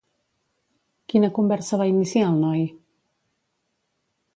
Quina conversa va iniciar el noi?